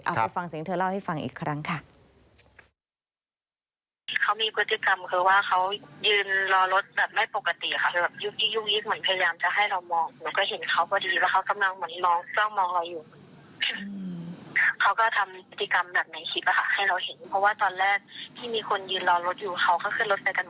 ไปฟังเสียงเธอเล่าให้ฟังอีกครั้งค่ะ